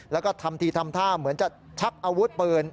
แล้วก็ทำทีทำท่าเหมือนจะชักอาวุธปืน